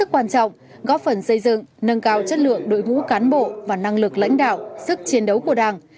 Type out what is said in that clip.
quan trọng góp phần xây dựng nâng cao chất lượng đội ngũ cán bộ và năng lực lãnh đạo sức chiến đấu của đảng